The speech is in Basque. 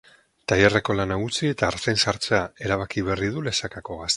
Tailerreko lana utzi eta artzain sartzea erabaki berri du lesakako gazteak.